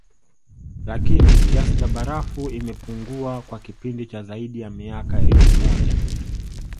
Lakini kiasi cha barafu imepungua kwa kipindi cha zaidi ya miaka elfu moja